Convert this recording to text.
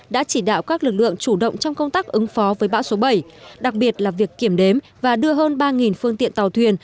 đã chỉ đạo các lực lượng chủ động trong công tác ứng phó với bão số bảy đặc biệt là việc kiểm đếm và đưa hơn ba phương tiện tàu thuyền